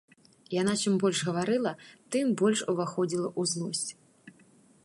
Яна чым больш гаварыла, тым больш уваходзіла ў злосць.